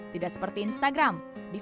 tidak seperti instagram